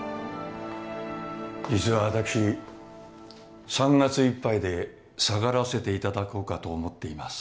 実は私３月いっぱいで下がらせていただこうかと思っています